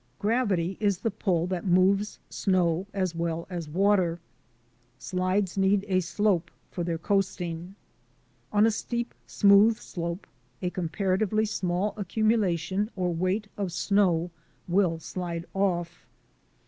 Gravity is the pull that moves snow as well as THE WHITE CYCLONE 119 water. Slides need a slope for their coasting. On a steep, smooth slope a comparatively small ac cumulation or weight of snow will slide off.